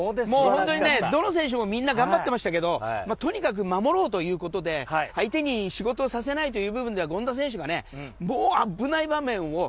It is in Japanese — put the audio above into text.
どの選手もみんな頑張ってましたけどとにかく守ろうということで相手に仕事をさせないという部分では権田選手が危ない場面を。